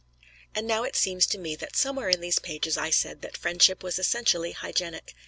And now it seems to me that somewhere in these pages I said that friendship was essentially hygienic.